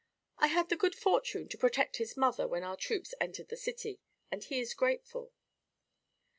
"I had the good fortune to protect his mother when our troops entered the city, and he is grateful."